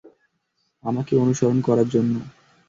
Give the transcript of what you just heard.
আমাকে অনুসরণ করার জন্য।